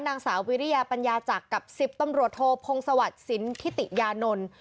นางสาววิริยาปัญญาจักรกับ๑๐ตำรวจโทพงศวรรค์สินทิติยานนท์